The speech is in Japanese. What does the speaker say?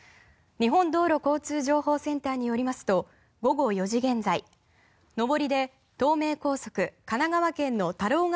日本道路交通情報センターによりますと午後４時現在、上りで東名高速、神奈川県の太郎ケ